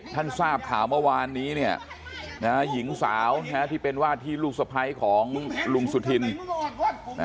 ทราบข่าวเมื่อวานนี้เนี่ยนะฮะหญิงสาวที่เป็นว่าที่ลูกสะพ้ายของลุงสุธิน